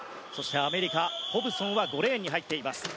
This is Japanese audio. アメリカ、ホブソンは５レーンに入っています。